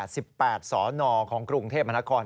๘๘ศนของกรุงเทพฯมหานคร